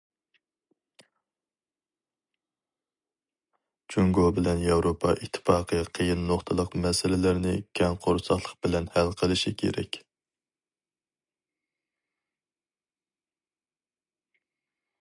جۇڭگو بىلەن ياۋروپا ئىتتىپاقى قىيىن نۇقتىلىق مەسىلىلەرنى كەڭ قورساقلىق بىلەن ھەل قىلىشى كېرەك.